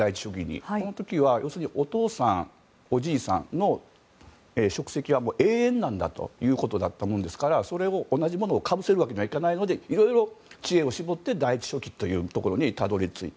その時はお父さん、おじいさんの職席は永遠だということでしたから同じものをかぶせるわけにはいかないのでいろいろ知恵を絞って第１書記というところにたどり着いた。